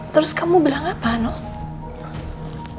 terus kamu bilang apa nok